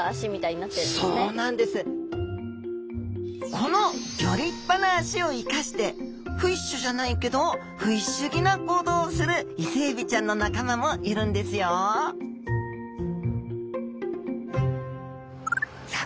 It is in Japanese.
このギョ立派な脚を生かしてフィッシュじゃないけど不思議な行動をするイセエビちゃんの仲間もいるんですよさあ